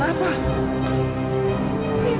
lara kan anak baik